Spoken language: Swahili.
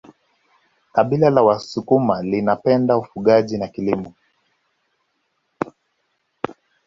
kabila la wasukuma linapenda ufugaji na kilimo